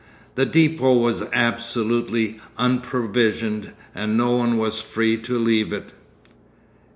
The depôt was absolutely unprovisioned, and no one was free to leave it.